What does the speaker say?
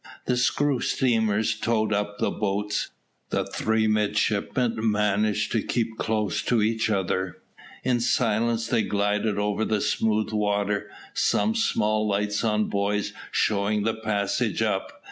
The screw steamers towed up the boats. The three midshipmen managed to keep close to each other. In silence they glided over the smooth water, some small lights on buoys showing the passage up.